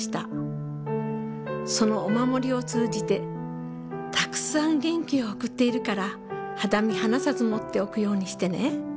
その御守りを通じてたくさん元気を送っているから肌身離さず持っておくようにしてね。